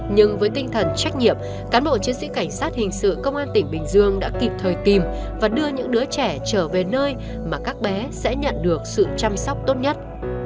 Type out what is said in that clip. nhưng với tinh thần trách nhiệm cán bộ chiến sĩ cảnh sát hình sự công an tỉnh bình dương đã kịp thời tìm và đưa những đứa trẻ trở về nơi mà các bé sẽ nhận được sự chăm sóc tốt nhất